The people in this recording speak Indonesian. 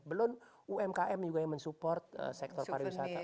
belum umkm juga yang men support sektor pariwisata